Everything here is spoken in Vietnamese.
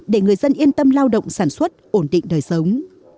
để người dân yên tâm lao động sản xuất ổn định đời sống